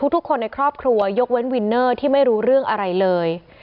ทุกคนในครอบครัวยกเว้นวินเนอร์ที่ไม่รู้เรื่องอะไรเลย